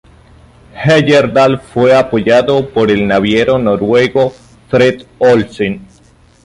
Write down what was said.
Heyerdahl fue apoyado por el naviero noruego Fred Olsen.